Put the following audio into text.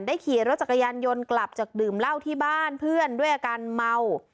ขี่รถจักรยานยนต์กลับจากดื่มเหล้าที่บ้านเพื่อนด้วยอาการเมา